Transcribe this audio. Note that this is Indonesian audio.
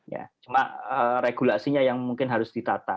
ya cuma regulasinya yang mungkin harus ditata